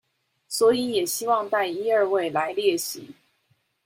所以也希望帶一二位來列席